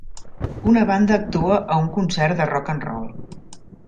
Una banda actua a un concert de rock and roll.